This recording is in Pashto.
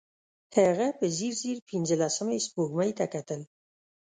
هغه په ځير ځير پينځلسمې سپوږمۍ ته کتل.